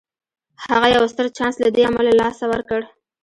هغه يو ستر چانس له دې امله له لاسه ورکړ.